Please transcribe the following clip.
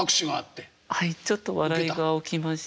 はいちょっと笑いが起きまして。